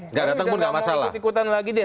nggak datang pun nggak masalah